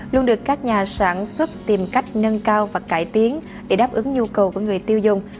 luôn được các nhà sản xuất tìm cách nâng cao và cải tiến để đáp ứng nhu cầu của người tiêu dùng